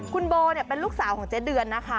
คุณโบเป็นลูกสาวของเจ๊เดือนนะคะ